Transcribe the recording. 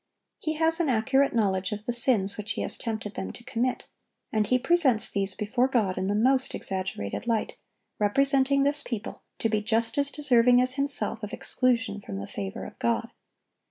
He has an accurate knowledge of the sins which he has tempted them to commit, and he presents these before God in the most exaggerated light, representing this people to be just as deserving as himself of exclusion from the favor of God.